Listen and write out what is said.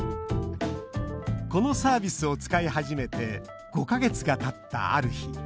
このサービスを使い始めて５か月がたったある日。